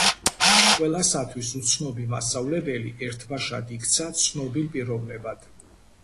ყველასათვის უცნობი მასწავლებელი ერთბაშად იქცა ცნობილ პიროვნებად.